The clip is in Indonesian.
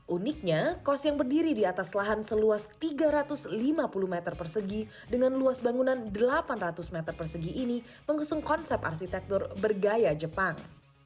uniknya kos yang berdiri di atas lahan seluas tiga ratus lima puluh meter persegi dengan luas bangunan delapan ratus meter persegi ini mengusung konsep arsitektur bergaya jepang